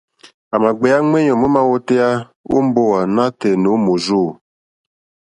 À mà gbèyá ŋwèyò ómá wótéyá ó mbówà nátɛ̀ɛ̀ nǒ mòrzô.